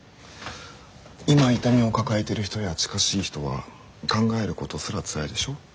今痛みを抱えてる人や近しい人は考えることすらつらいでしょ？